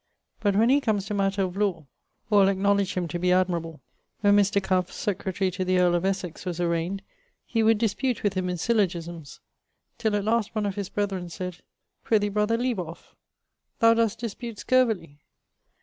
But when he comes to matter of lawe, all acknowledge him to be admirable. When Mr. Cuff, secretary to the earle of Essex, was arraigned, he would dispute with him in syllogismes, till at last one of his brethern said, 'Prithee, brother, leave off: thou doest dispute scurvily.'